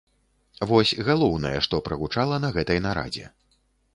Вось галоўнае, што прагучала на гэтай нарадзе.